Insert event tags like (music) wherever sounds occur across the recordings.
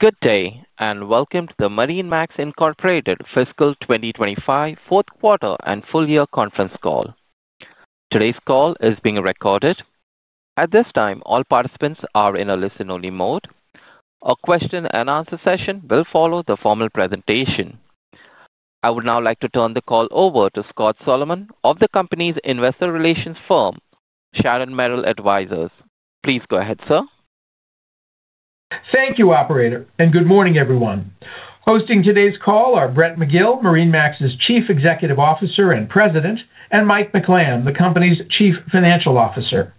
Good day, and welcome to the MarineMax fiscal 2025 fourth quarter and full year conference call. Today's call is being recorded. At this time, all participants are in a listen-only mode. A question-and-answer session will follow the formal presentation. I would now like to turn the call over to Scott Solomon of the company's investor relations firm, Sharon Merrill Advisors. Please go ahead, sir. Thank you, Operator, and good morning, everyone. Hosting today's call are Brett McGill, MarineMax's Chief Executive Officer and President, and Mike McLamb, the company's Chief Financial Officer.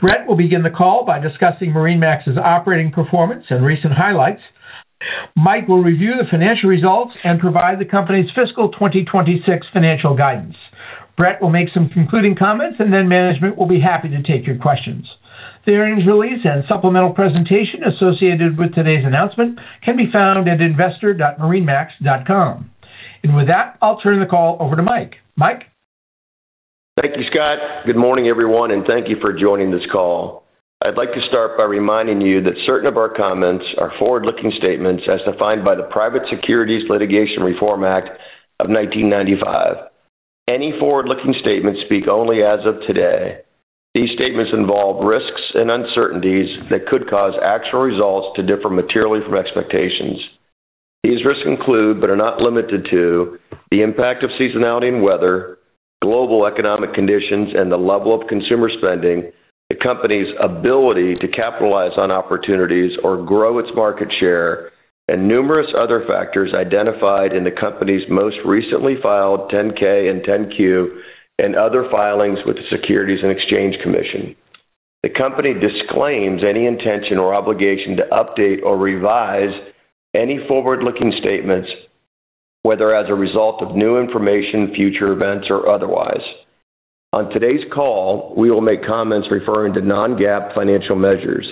Brett will begin the call by discussing MarineMax's operating performance and recent highlights. Mike will review the financial results and provide the company's Fiscal 2026 financial guidance. Brett will make some concluding comments, and then management will be happy to take your questions. The earnings release and supplemental presentation associated with today's announcement can be found at investor.marinemax.com. With that, I'll turn the call over to Mike. Mike. Thank you, Scott. Good morning, everyone, and thank you for joining this call. I'd like to start by reminding you that certain of our comments are forward-looking statements as defined by the Private Securities Litigation Reform Act of 1995. Any forward-looking statements speak only as of today. These statements involve risks and uncertainties that could cause actual results to differ materially from expectations. These risks include, but are not limited to, the impact of seasonality and weather, global economic conditions, and the level of consumer spending, the company's ability to capitalize on opportunities or grow its market share, and numerous other factors identified in the company's most recently filed 10-K and 10-Q and other filings with the Securities and Exchange Commission. The company disclaims any intention or obligation to update or revise any forward-looking statements, whether as a result of new information, future events, or otherwise. On today's call, we will make comments referring to non-GAAP financial measures.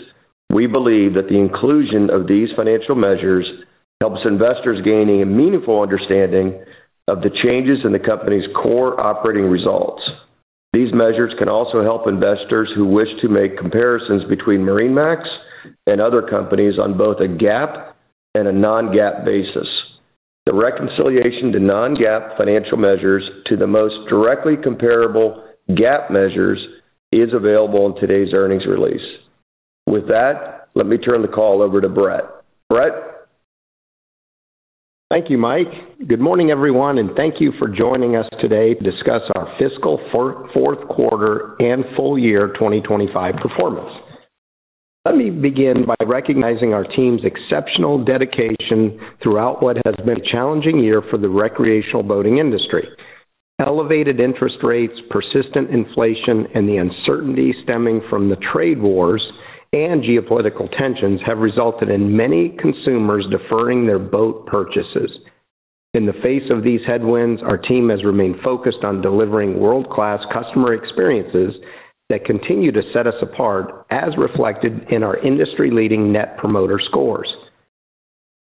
We believe that the inclusion of these financial measures helps investors gain a meaningful understanding of the changes in the company's core operating results. These measures can also help investors who wish to make comparisons between MarineMax and other companies on both a GAAP and a non-GAAP basis. The reconciliation to non-GAAP financial measures to the most directly comparable GAAP measures is available in today's earnings release. With that, let me turn the call over to Brett. Brett. Thank you, Mike. Good morning, everyone, and thank you for joining us today to discuss our fiscal fourth quarter and full year 2025 performance. Let me begin by recognizing our team's exceptional dedication throughout what has been a challenging year for the recreational boating industry. Elevated interest rates, persistent inflation, and the uncertainty stemming from the trade wars and geopolitical tensions have resulted in many consumers deferring their boat purchases. In the face of these headwinds, our team has remained focused on delivering world-class customer experiences that continue to set us apart, as reflected in our industry-leading net promoter scores.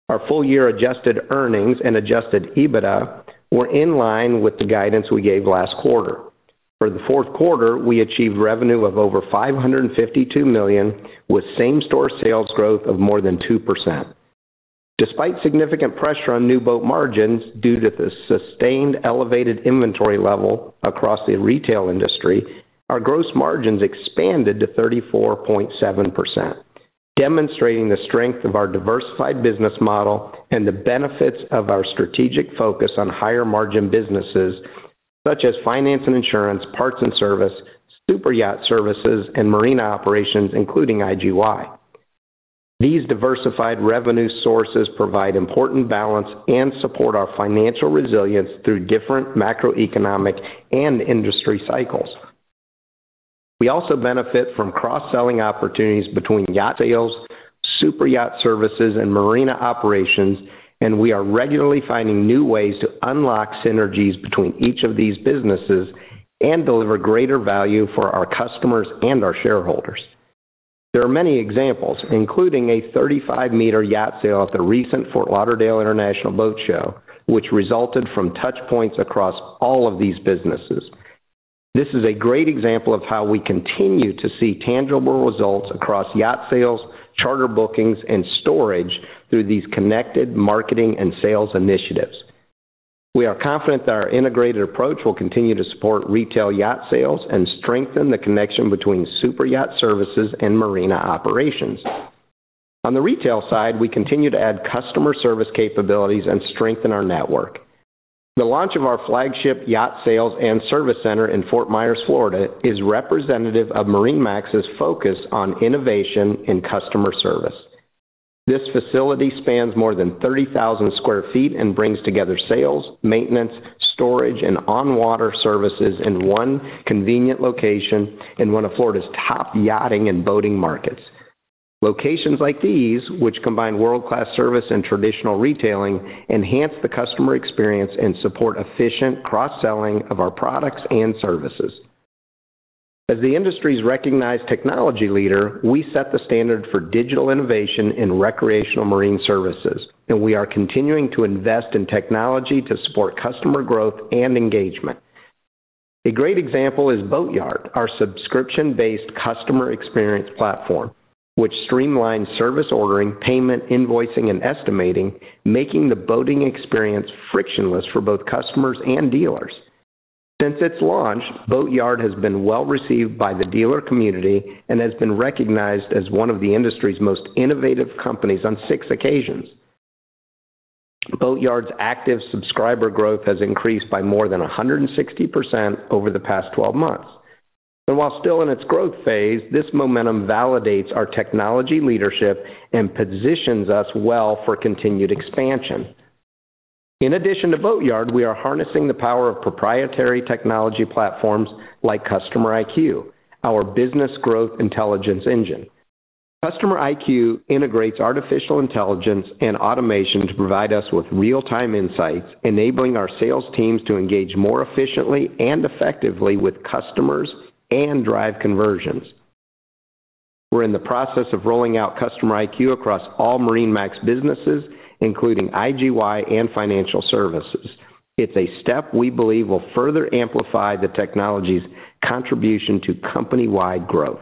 Our full-year adjusted earnings and adjusted EBITDA were in line with the guidance we gave last quarter. For the fourth quarter, we achieved revenue of over $552 million, with same-store sales growth of more than 2%. Despite significant pressure on new boat margins due to the sustained elevated inventory level across the retail industry, our gross margins expanded to 34.7%, demonstrating the strength of our diversified business model and the benefits of our strategic focus on higher-margin businesses such as Finance and Insurance, parts and service, Superyacht services, and Marina operations, including IGY. These diversified revenue sources provide important balance and support our financial resilience through different macroeconomic and industry cycles. We also benefit from cross-selling opportunities between yacht sales, Superyacht services, and Marina operations, and we are regularly finding new ways to unlock synergies between each of these businesses and deliver greater value for our customers and our shareholders. There are many examples, including a 35-meter yacht sale at the recent Fort Lauderdale International Boat Show, which resulted from touchpoints across all of these businesses. This is a great example of how we continue to see tangible results across yacht sales, charter bookings, and storage through these connected marketing and sales initiatives. We are confident that our integrated approach will continue to support retail yacht sales and strengthen the connection between Superyacht services and Marina operations. On the retail side, we continue to add customer service capabilities and strengthen our network. The launch of our flagship yacht sales and service center in Fort Myers, Florida, is representative of MarineMax's focus on innovation in customer service. This facility spans more than 30,000 sq ft and brings together sales, maintenance, storage, and on-water services in one convenient location in one of Florida's top yachting and boating markets. Locations like these, which combine world-class service and traditional retailing, enhance the customer experience and support efficient cross-selling of our products and services. As the industry's recognized technology leader, we set the standard for digital innovation in recreational marine services, and we are continuing to invest in technology to support customer growth and engagement. A great example is Boatyard, our subscription-based customer experience platform, which streamlines service ordering, payment, invoicing, and estimating, making the boating experience frictionless for both customers and dealers. Since its launch, Boatyard has been well-received by the dealer community and has been recognized as one of the industry's most innovative companies on six occasions. Boatyard's active subscriber growth has increased by more than 160% over the past 12 months. While still in its growth phase, this momentum validates our technology leadership and positions us well for continued expansion. In addition to Boatyard, we are harnessing the power of proprietary technology platforms like CustomerIQ, our business growth intelligence engine. CustomerIQ integrates artificial intelligence and automation to provide us with real-time insights, enabling our sales teams to engage more efficiently and effectively with customers and drive conversions. We're in the process of rolling out CustomerIQ across all MarineMax businesses, including IGY and financial services. It's a step we believe will further amplify the technology's contribution to company-wide growth.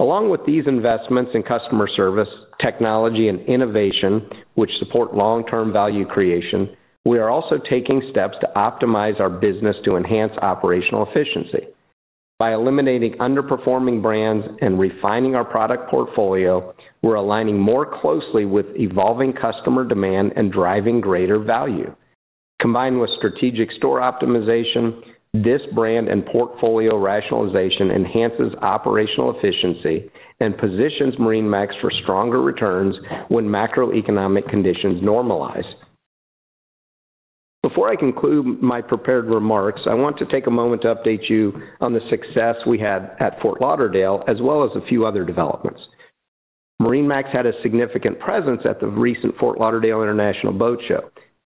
Along with these investments in customer service, technology, and innovation, which support long-term value creation, we are also taking steps to optimize our business to enhance operational efficiency. By eliminating underperforming brands and refining our product portfolio, we're aligning more closely with evolving customer demand and driving greater value. Combined with strategic store optimization, this brand and portfolio rationalization enhances operational efficiency and positions MarineMax for stronger returns when macroeconomic conditions normalize. Before I conclude my prepared remarks, I want to take a moment to update you on the success we had at Fort Lauderdale, as well as a few other developments. MarineMax had a significant presence at the recent Fort Lauderdale International Boat Show.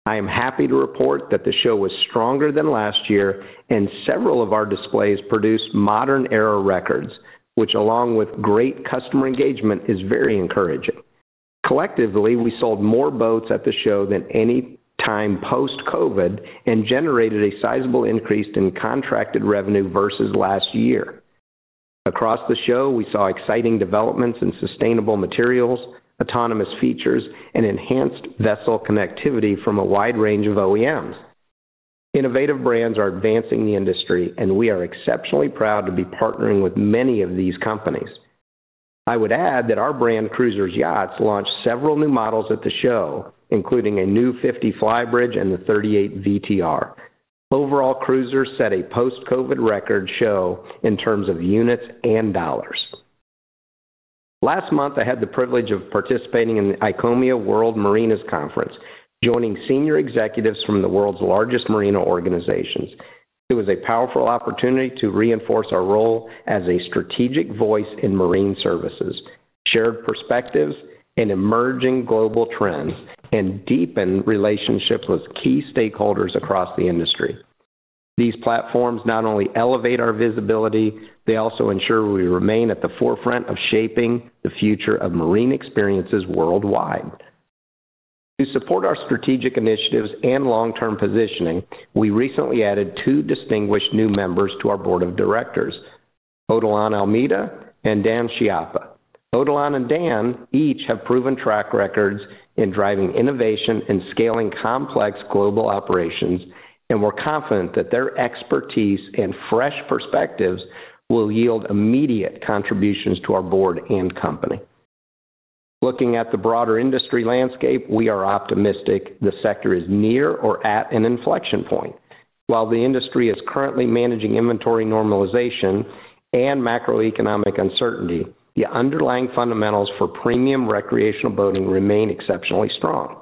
I am happy to report that the show was stronger than last year, and several of our displays produced modern-era records, which, along with great customer engagement, is very encouraging. Collectively, we sold more boats at the show than any time post-COVID and generated a sizable increase in contracted revenue versus last year. Across the show, we saw exciting developments in sustainable materials, autonomous features, and enhanced vessel connectivity from a wide range of OEMs. Innovative brands are advancing the industry, and we are exceptionally proud to be partnering with many of these companies. I would add that our brand, Cruisers Yachts, launched several new models at the show, including a new 50 Flybridge and the 38 VTR. Overall, Cruisers set a post-COVID record show in terms of units and dollars. Last month, I had the privilege of participating in the ICOMIA World Marinas Conference, joining senior executives from the world's largest Marina organizations. It was a powerful opportunity to reinforce our role as a strategic voice in marine services, shared perspectives in emerging global trends, and deepen relationships with key stakeholders across the industry. These platforms not only elevate our visibility, they also ensure we remain at the forefront of shaping the future of marine experiences worldwide. To support our strategic initiatives and long-term positioning, we recently added two distinguished new members to our board of directors, Odelon Almeyda and Dan Chiappa. Odelon and Dan each have proven track records in driving innovation and scaling complex global operations, and we're confident that their expertise and fresh perspectives will yield immediate contributions to our board and company. Looking at the broader industry landscape, we are optimistic the sector is near or at an inflection point. While the industry is currently managing inventory normalization and macroeconomic uncertainty, the underlying fundamentals for premium recreational boating remain exceptionally strong.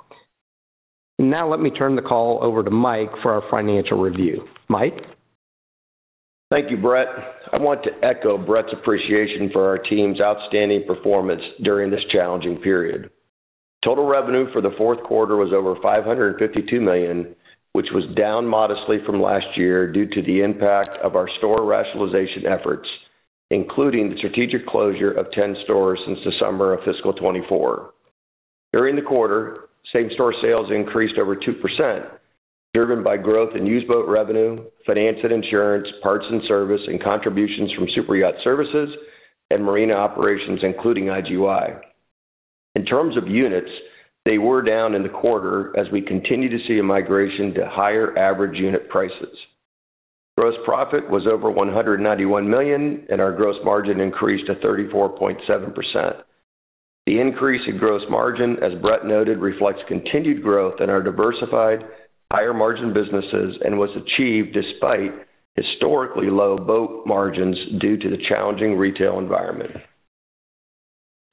Now, let me turn the call over to Mike for our financial review. Mike. Thank you, Brett. I want to echo Brett's appreciation for our team's outstanding performance during this challenging period. Total revenue for the fourth quarter was over $552 million, which was down modestly from last year due to the impact of our store rationalization efforts, including the strategic closure of 10 stores since the summer of Fiscal 2024. During the quarter, same-store sales increased over 2%, driven by growth in used boat revenue, Finance and Insurance, parts and service, and contributions from Superyacht services and Marina operations, including IGY. In terms of units, they were down in the quarter as we continue to see a migration to higher average unit prices. Gross profit was over $191 million, and our gross margin increased to 34.7%. The increase in gross margin, as Brett noted, reflects continued growth in our diversified, higher-margin businesses and was achieved despite historically low boat margins due to the challenging retail environment.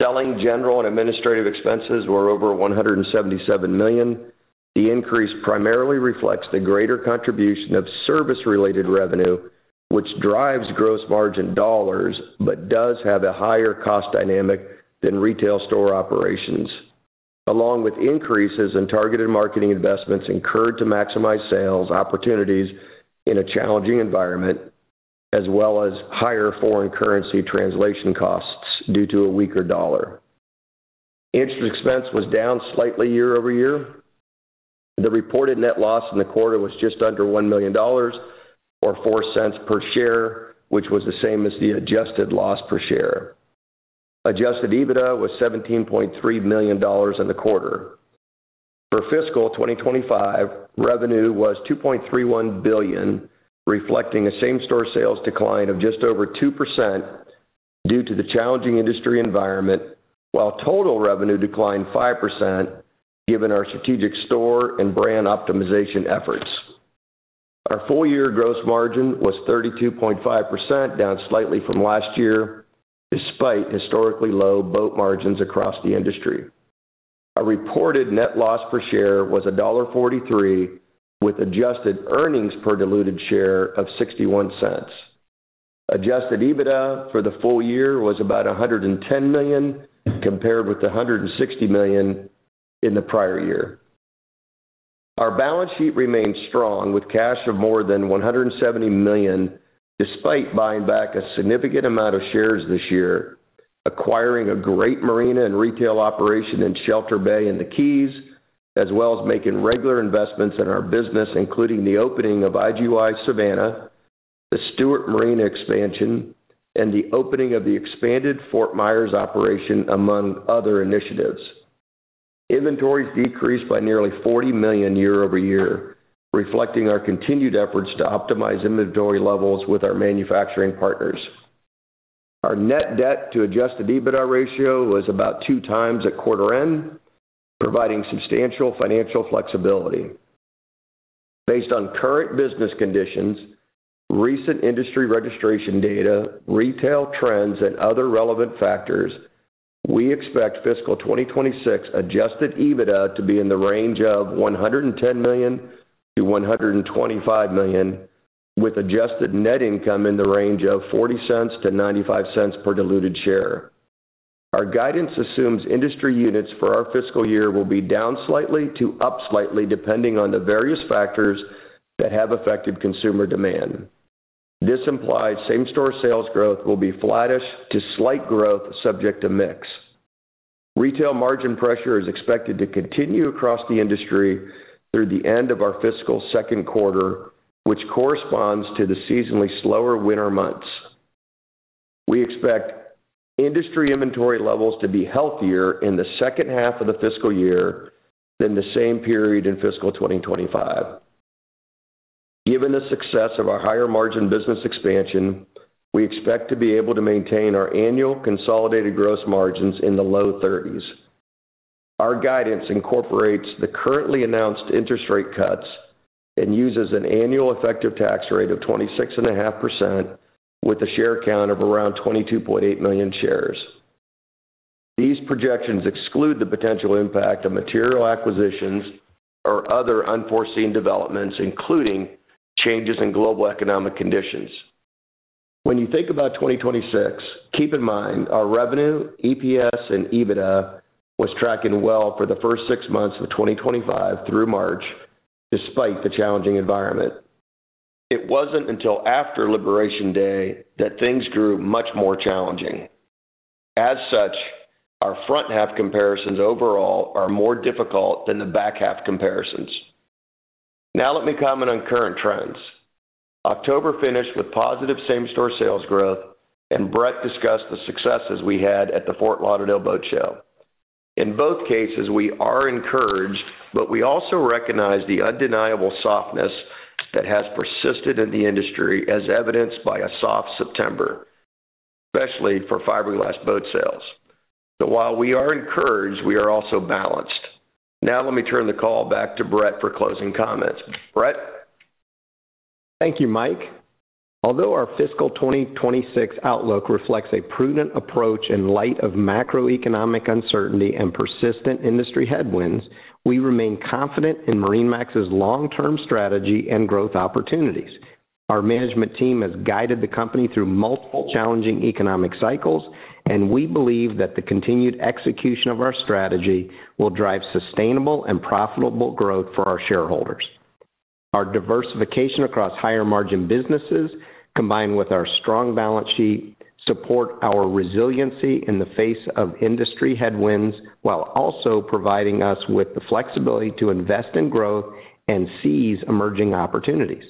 Selling, general and administrative expenses were over $177 million. The increase primarily reflects the greater contribution of service-related revenue, which drives gross margin dollars but does have a higher cost dynamic than retail store operations, along with increases in targeted marketing investments incurred to maximize sales opportunities in a challenging environment, as well as higher foreign currency translation costs due to a weaker dollar. Interest expense was down slightly year-over-year. The reported net loss in the quarter was just under $1 million or $0.04 per share, which was the same as the adjusted loss per share. Adjusted EBITDA was $17.3 million in the quarter. For Fiscal 2025, revenue was $2.31 billion, reflecting a same-store sales decline of just over 2% due to the challenging industry environment, while total revenue declined 5% given our strategic store and brand optimization efforts. Our full-year gross margin was 32.5%, down slightly from last year despite historically low boat margins across the industry. Our reported net loss per share was $1.43, with adjusted earnings per diluted share of $0.61. Adjusted EBITDA for the full year was about $110 million, compared with $160 million in the prior year. Our balance sheet remained strong with cash of more than $170 million despite buying back a significant amount of shares this year, acquiring a great Marina and retail operation in Shelter Bay and the Keys, as well as making regular investments in our business, including the opening of IGY Savannah, the Stewart Marine expansion, and the opening of the expanded Fort Myers operation, among other initiatives. Inventories decreased by nearly $40 million year-over-year, reflecting our continued efforts to optimize inventory levels with our manufacturing partners. Our net debt to adjusted EBITDA ratio was about 2x at quarter end, providing substantial financial flexibility. Based on current business conditions, recent industry registration data, retail trends, and other relevant factors, we expect Fiscal 2026 adjusted EBITDA to be in the range of $110 million-$125 million, with adjusted net income in the range of $0.40-$0.95 per diluted share. Our guidance assumes industry units for our fiscal year will be down slightly to up slightly, depending on the various factors that have affected consumer demand. This implies same-store sales growth will be flattish to slight growth, subject to mix. Retail margin pressure is expected to continue across the industry through the end of our fiscal second quarter, which corresponds to the seasonally slower winter months. We expect industry inventory levels to be healthier in the second half of the fiscal year than the same period in fiscal 2025. Given the success of our higher-margin business expansion, we expect to be able to maintain our annual consolidated gross margins in the low 30%s. Our guidance incorporates the currently announced interest rate cuts and uses an annual effective tax rate of 26.5%, with a share count of around 22.8 million shares. These projections exclude the potential impact of material acquisitions or other unforeseen developments, including changes in global economic conditions. When you think about 2026, keep in mind our revenue, EPS, and EBITDA was tracking well for the first six months of 2025 through March, despite the challenging environment. It was not until after Liberation Day that things grew much more challenging. As such, our front-half comparisons overall are more difficult than the back-half comparisons. Now, let me comment on current trends. October finished with positive same-store sales growth, and Brett discussed the successes we had at the Fort Lauderdale Boat Show. In both cases, we are encouraged, but we also recognize the undeniable softness that has persisted in the industry, as evidenced by a soft September, especially for fiberglass boat sales. While we are encouraged, we are also balanced. Now, let me turn the call back to Brett for closing comments. Brett. Thank you, Mike. Although our Fiscal 2026 outlook reflects a prudent approach in light of macroeconomic uncertainty and persistent industry headwinds, we remain confident in MarineMax's long-term strategy and growth opportunities. Our management team has guided the company through multiple challenging economic cycles, and we believe that the continued execution of our strategy will drive sustainable and profitable growth for our shareholders. Our diversification across higher-margin businesses, combined with our strong balance sheet, supports our resiliency in the face of industry headwinds while also providing us with the flexibility to invest in growth and seize emerging opportunities.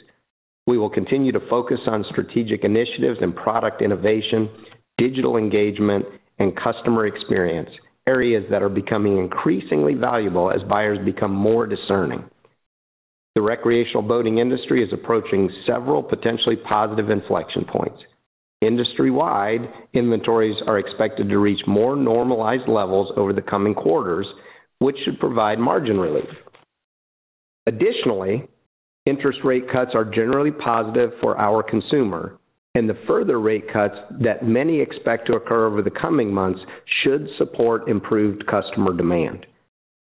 We will continue to focus on strategic initiatives and product innovation, digital engagement, and customer experience, areas that are becoming increasingly valuable as buyers become more discerning. The recreational boating industry is approaching several potentially positive inflection points. Industry-wide, inventories are expected to reach more normalized levels over the coming quarters, which should provide margin relief. Additionally, interest rate cuts are generally positive for our consumer, and the further rate cuts that many expect to occur over the coming months should support improved customer demand.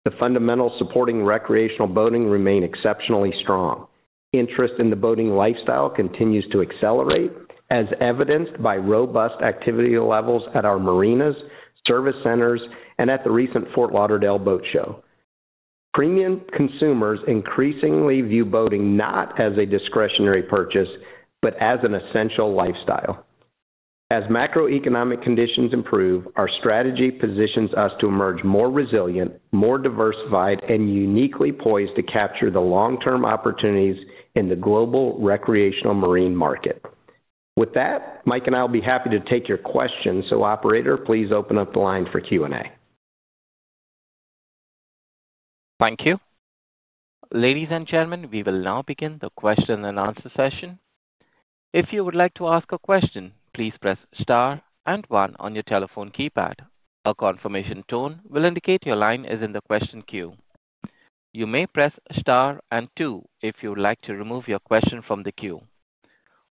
The fundamentals supporting recreational boating remain exceptionally strong. Interest in the boating lifestyle continues to accelerate, as evidenced by robust activity levels at our Marinas, service centers, and at the recent Fort Lauderdale Boat Show. Premium consumers increasingly view boating not as a discretionary purchase but as an essential lifestyle. As macroeconomic conditions improve, our strategy positions us to emerge more resilient, more diversified, and uniquely poised to capture the long-term opportunities in the global recreational marine market. With that, Mike and I will be happy to take your questions. Operator, please open up the line for Q&A. Thank you. Ladies and gentlemen, we will now begin the question and answer session. If you would like to ask a question, star and one on your telephone keypad. A confirmation tone will indicate your line is in the question queue. You may press star and two if you would like to remove your question from the queue.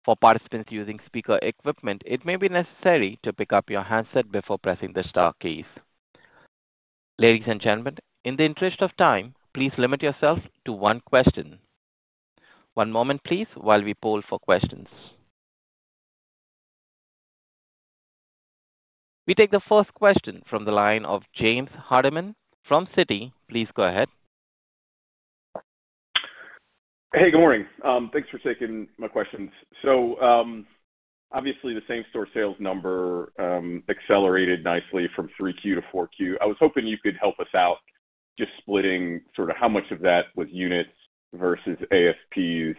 For participants using speaker equipment, it may be necessary to pick up your handset before pressing the star keys. Ladies and gentlemen, in the interest of time, please limit yourselves to one question. One moment, please, while we poll for questions. We take the first question from the line of James Hardiman from Citi. Please go ahead. Hey, good morning. Thanks for taking my questions. Obviously, the same-store sales number accelerated nicely from 3Q to 4Q. I was hoping you could help us out just splitting sort of how much of that was units versus ASPs.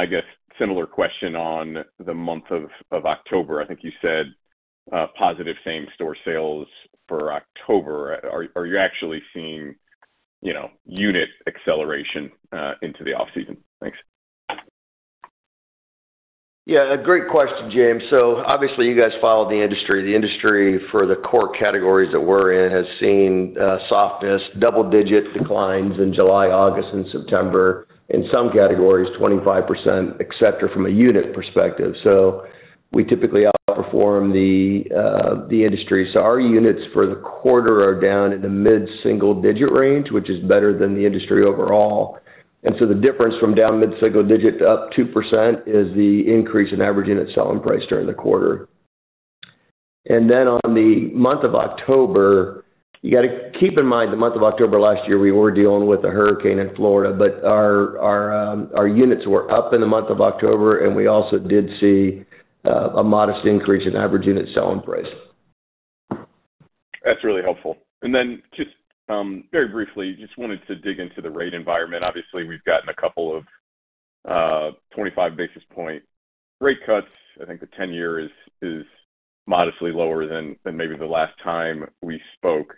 I guess, similar question on the month of October. I think you said positive same-store sales for October. Are you actually seeing unit acceleration into the off-season? Thanks. Yeah, great question, James. Obviously, you guys follow the industry. The industry, for the core categories that we're in, has seen softness, double-digit declines in July-September, in some categories, 25%, etc., from a unit perspective. We typically outperform the industry. Our units for the quarter are down in the mid-single-digit range, which is better than the industry overall. The difference from down mid-single digit to up 2% is the increase in average unit selling price during the quarter. On the month of October, you got to keep in mind the month of October last year, we were dealing with a hurricane in Florida, but our units were up in the month of October, and we also did see a modest increase in average unit selling price. That's really helpful. Just very briefly, just wanted to dig into the rate environment. Obviously, we've gotten a couple of 25-basis-point rate cuts. I think the 10-year is modestly lower than maybe the last time we spoke.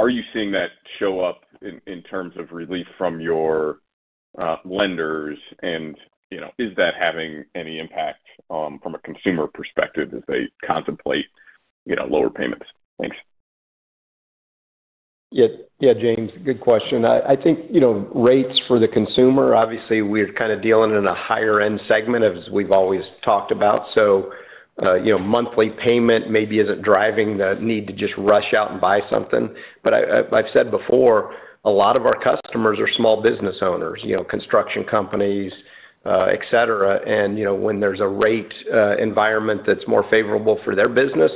Are you seeing that show up in terms of relief from your lenders, and is that having any impact from a consumer perspective as they contemplate lower payments? Thanks. Yeah, James, good question. I think rates for the consumer, obviously, we're kind of dealing in a higher-end segment, as we've always talked about. So, monthly payment maybe isn't driving the need to just rush out and buy something. I've said before, a lot of our customers are small business owners, construction companies, etc. When there's a rate environment that's more favorable for their business,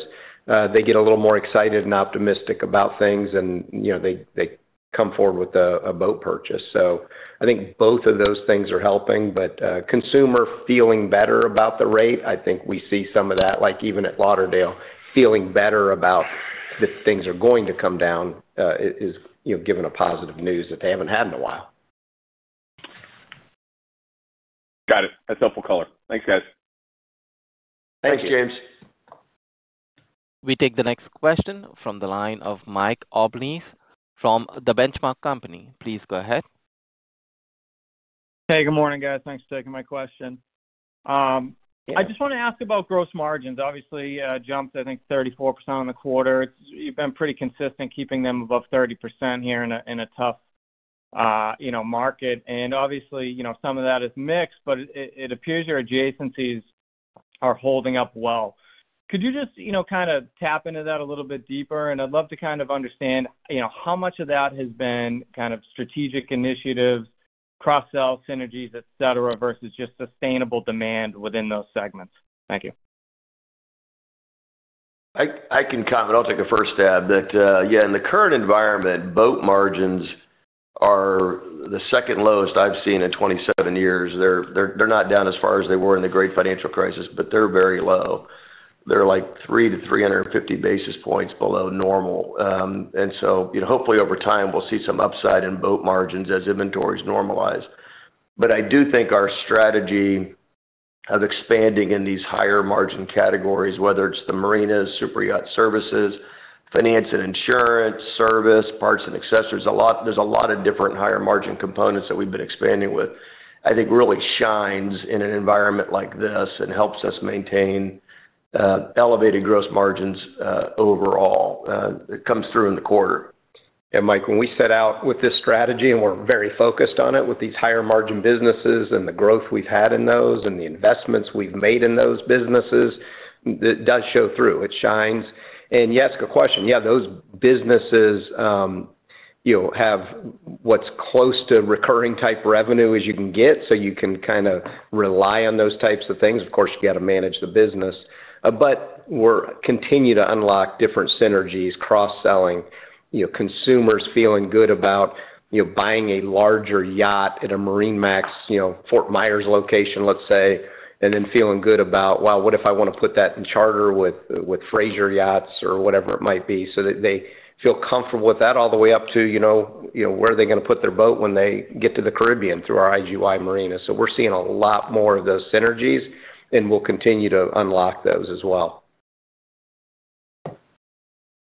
they get a little more excited and optimistic about things, and they come forward with a boat purchase. I think both of those things are helping, but consumer feeling better about the rate, I think we see some of that, like even at Lauderdale, feeling better about that things are going to come down is giving a positive news that they haven't had in a while. Got it. That's helpful color. Thanks, guys. Thanks, James. (crosstalk) We take the next question from the line of Mike Albanese from The Benchmark Company. Please go ahead. Hey, good morning, guys. Thanks for taking my question. I just want to ask about gross margins. Obviously, jumped, I think, 34% on the quarter. You've been pretty consistent keeping them above 30% here in a tough market. Obviously, some of that is mix, but it appears your adjacencies are holding up well. Could you just kind of tap into that a little bit deeper? I'd love to kind of understand how much of that has been kind of strategic initiatives, cross-sell synergies, etc., versus just sustainable demand within those segments? Thank you. I can comment. I'll take a first stab. Yeah, in the current environment, boat margins are the second lowest I've seen in 27 years. They're not down as far as they were in the Great Financial Crisis, but they're very low. They're like 3 basis points-350 basis points below normal. Hopefully, over time, we'll see some upside in boat margins as inventories normalize. I do think our strategy of expanding in these higher-margin categories, whether it's the Marinas, Superyacht services, Finance and Insurance, service, parts and accessories, there's a lot of different higher-margin components that we've been expanding with, I think really shines in an environment like this and helps us maintain elevated gross margins overall. It comes through in the quarter. Yeah, Mike, when we set out with this strategy and we're very focused on it with these higher-margin businesses and the growth we've had in those and the investments we've made in those businesses, it does show through. It shines. Yes, good question. Those businesses have what's close to recurring-type revenue as you can get, so you can kind of rely on those types of things. Of course, you got to manage the business. We're continuing to unlock different synergies, cross-selling, consumers feeling good about buying a larger yacht at a MarineMax Fort Myers location, let's say, and then feeling good about, "Wow, what if I want to put that in charter with Fraser Yachts or whatever it might be?" So that they feel comfortable with that all the way up to where are they going to put their boat when they get to the Caribbean through our IGY Marinas. We're seeing a lot more of those synergies, and we'll continue to unlock those as well.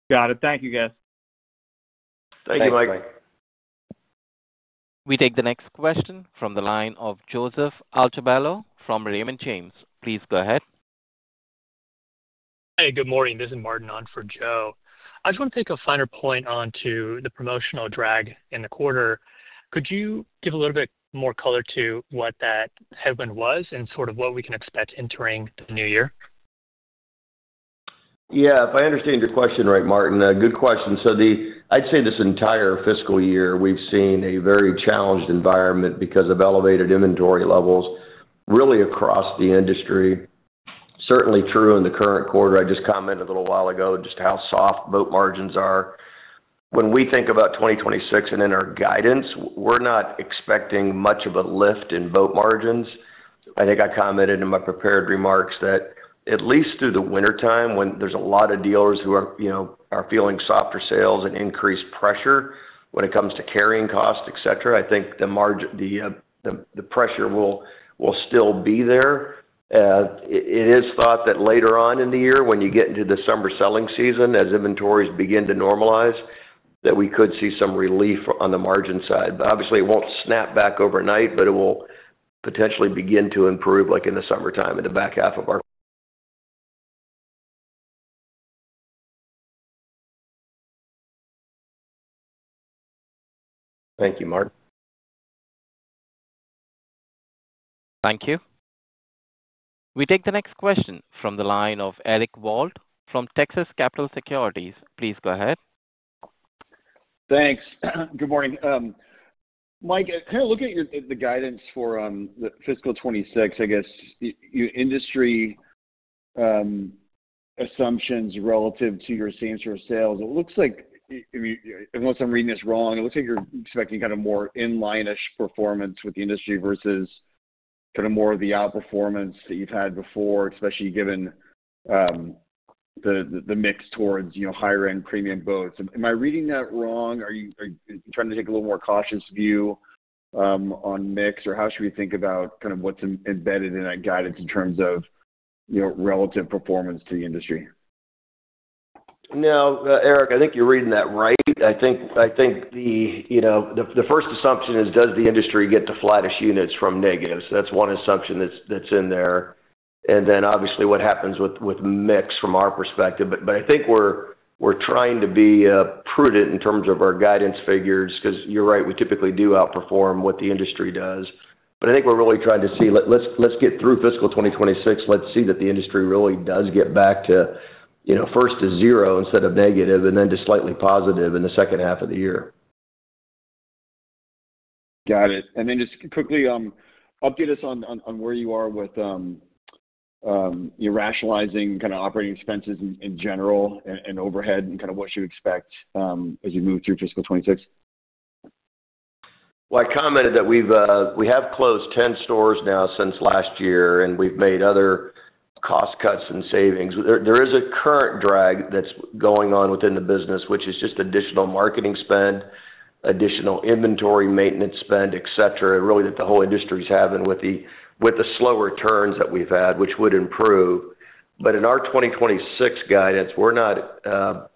Got it. Thank you, guys. Thank you, Mike. (crosstalk) We take the next question from the line of Joseph Altobello from Raymond James. Please go ahead. Hey, good morning. This is Martin Onford, Joe. I just want to take a finer point onto the promotional drag in the quarter. Could you give a little bit more color to what that headwind was and sort of what we can expect entering the new year? Yeah, if I understand your question right, Martin, good question. I'd say this entire fiscal year, we've seen a very challenged environment because of elevated inventory levels really across the industry. Certainly true in the current quarter. I just commented a little while ago just how soft boat margins are. When we think about 2026 and in our guidance, we're not expecting much of a lift in boat margins. I think I commented in my prepared remarks that at least through the wintertime, when there's a lot of dealers who are feeling softer sales and increased pressure when it comes to carrying costs, etc., I think the pressure will still be there. It is thought that later on in the year, when you get into the summer selling season, as inventories begin to normalize, that we could see some relief on the margin side. Obviously, it will not snap back overnight, but it will potentially begin to improve in the summertime in the back half of our quarter. Thank you, Mart. Thank you. We take the next question from the line of Eric Wold from Texas Capital Securities. Please go ahead. Thanks. Good morning. Mike, kind of looking at the guidance for the fiscal 2026, I guess, your industry assumptions relative to your same-store sales, it looks like, unless I'm reading this wrong, it looks like you're expecting kind of more inline-ish performance with the industry versus kind of more of the outperformance that you've had before, especially given the mix towards higher-end premium boats. Am I reading that wrong? Are you trying to take a little more cautious view on mix, or how should we think about kind of what's embedded in that guidance in terms of relative performance to the industry? No, Eric, I think you're reading that right. I think the first assumption is, does the industry get the flattest units from negatives? That's one assumption that's in there. Obviously, what happens with mix from our perspective. I think we're trying to be prudent in terms of our guidance figures because you're right, we typically do outperform what the industry does. I think we're really trying to see, let's get through fiscal 2026, let's see that the industry really does get back to first to zero instead of negative and then to slightly positive in the second half of the year. Got it. And then just quickly update us on where you are with rationalizing kind of operating expenses in general and overhead and kind of what you expect as you move through fiscal 2026. I commented that we have closed 10 stores now since last year, and we've made other cost cuts and savings. There is a current drag that's going on within the business, which is just additional marketing spend, additional inventory maintenance spend, etc., really that the whole industry is having with the slower turns that we've had, which would improve. In our 2026 guidance, we're not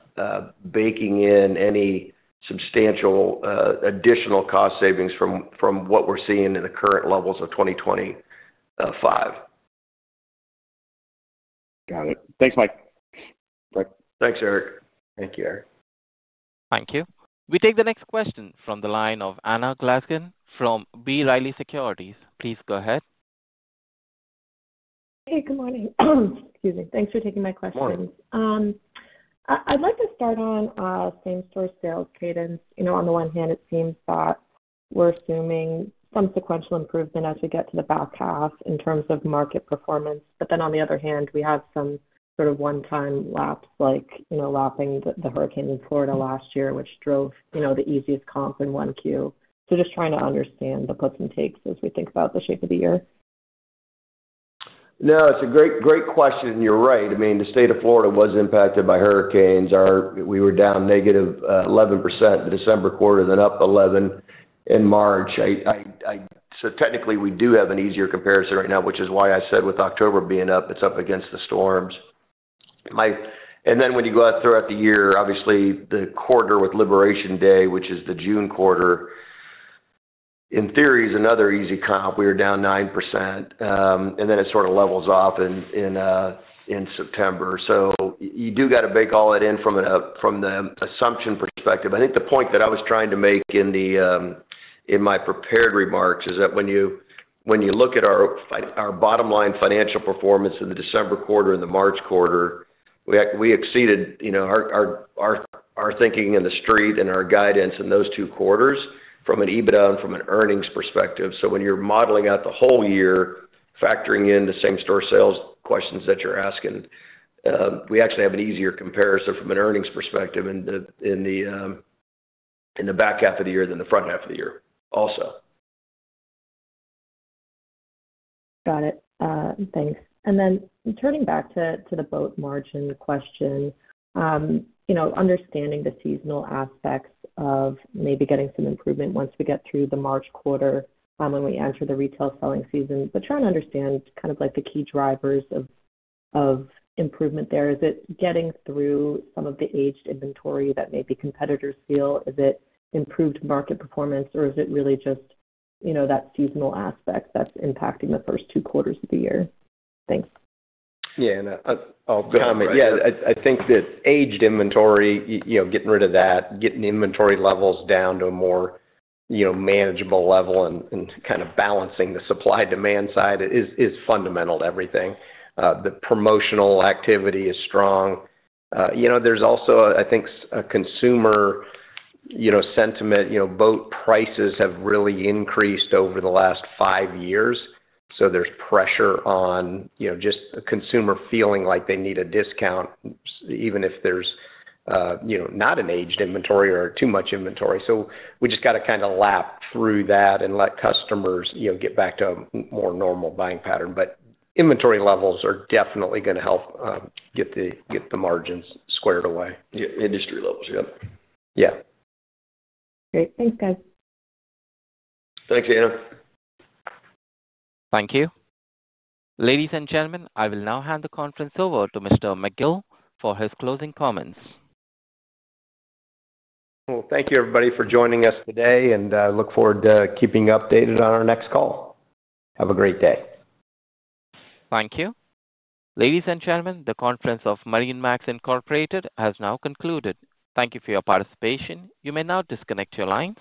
baking in any substantial additional cost savings from what we're seeing in the current levels of 2025. Got it. Thanks, Mike. (crosstalk) Thank you, Eric. Thank you. We take the next question from the line of Anna Glasgall from B. Riley Securities. Please go ahead. Hey, good morning. Excuse me. Thanks for taking my question. (crosstalk) I'd like to start on same-store sales cadence. On the one hand, it seems that we're assuming some sequential improvement as we get to the back half in terms of market performance. On the other hand, we have some sort of one-time laps like lapping the hurricane in Florida last year, which drove the easiest comp in Q1. Just trying to understand the puts and takes as we think about the shape of the year. No, it's a great question. And you're right. I mean, the state of Florida was impacted by hurricanes. We were down -11% the December quarter and then up 11% in March. So technically, we do have an easier comparison right now, which is why I said with October being up, it's up against the storms. And then when you go out throughout the year, obviously, the quarter with Liberation Day, which is the June quarter, in theory, is another easy comp. We were down 9%. And then it sort of levels off in September. So you do got to bake all that in from the assumption perspective. I think the point that I was trying to make in my prepared remarks is that when you look at our bottom-line financial performance in the December quarter-March quarter, we exceeded our thinking in the street and our guidance in those two quarters from an EBITDA and from an earnings perspective. So when you're modeling out the whole year, factoring in the same-store sales questions that you're asking, we actually have an easier comparison from an earnings perspective in the back half of the year than the front half of the year also. Got it. Thanks. Turning back to the boat margin question, understanding the seasonal aspects of maybe getting some improvement once we get through the March quarter when we enter the retail selling season, but trying to understand kind of the key drivers of improvement there. Is it getting through some of the aged inventory that maybe competitors feel? Is it improved market performance, or is it really just that seasonal aspect that is impacting the first two quarters of the year? Thanks. Yeah, and I'll comment. Yeah, (crosstalk) I think that aged inventory, getting rid of that, getting inventory levels down to a more manageable level and kind of balancing the supply-demand side is fundamental to everything. The promotional activity is strong. There's also, I think, a consumer sentiment. Boat prices have really increased over the last five years. There is pressure on just a consumer feeling like they need a discount, even if there is not an aged inventory or too much inventory. We just got to kind of lap through that and let customers get back to a more normal buying pattern. Inventory levels are definitely going to help get the margins squared away. Yeah, industry levels, yeah. Yeah. (crosstalk) Great. Thanks, guys. Thanks, Anna. Thank you. Ladies and gentlemen, I will now hand the conference over to Mr. McGill for his closing comments. Thank you, everybody, for joining us today, and I look forward to keeping you updated on our next call. Have a great day. Thank you. Ladies and gentlemen, the conference of MarineMax has now concluded. Thank you for your participation. You may now disconnect your line.